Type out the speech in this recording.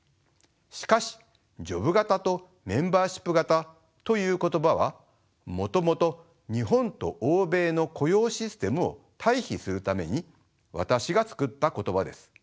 しかしジョブ型とメンバーシップ型という言葉はもともと日本と欧米の雇用システムを対比するために私が作った言葉です。